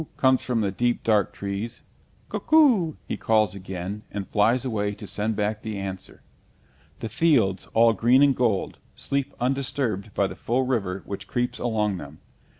comes from the deep dark trees; "Cuck oo!" he calls again, and flies away to send back the answer. The fields, all green and gold, sleep undisturbed by the full river which creeps along them.